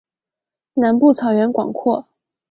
南部草原广阔。